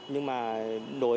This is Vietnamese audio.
nhưng mà đối với